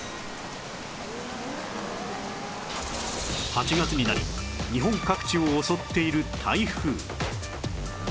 ８月になり日本各地を襲っている台風